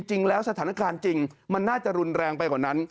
สถานการณ์จริงมันน่าจะรุนแรงไปกว่านั้น